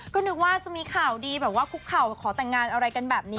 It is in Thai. ก็นึกว่าจะมีข่าวดีแบบว่าคุกเข่าขอแต่งงานอะไรกันแบบนี้